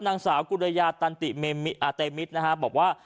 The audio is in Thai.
นางสาวกุรยาตันติเมอาเตมิตรนะฮะบอกว่า